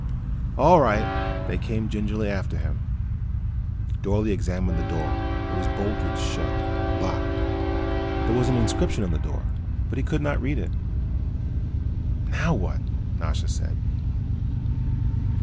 "All right." They came gingerly after him. Dorle examined the door. It was bolted shut, locked. There was an inscription on the door but he could not read it. "Now what?" Nasha said.